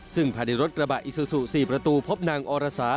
ซึ่งพาในรถกระบะอิซุสุสี่ประตูพบนางอรสา